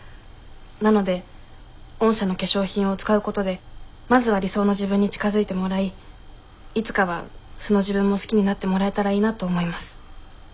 なので御社の化粧品を使うことでまずは理想の自分に近づいてもらいいつかは素の自分も好きになってもらえたらいいなと思います。